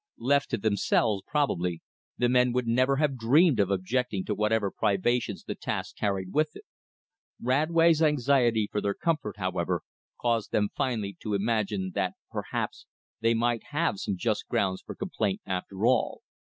Left to themselves probably the men would never have dreamed of objecting to whatever privations the task carried with it. Radway's anxiety for their comfort, however, caused them finally to imagine that perhaps they might have some just grounds for complaint after all.